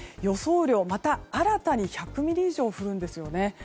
雨量がまた新たに１００ミリ以上なんですよね。